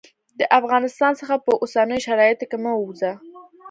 د افغانستان څخه په اوسنیو شرایطو کې مه ووزه.